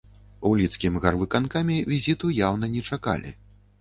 У лідскім гарвыканкаме візіту яўна не чакалі.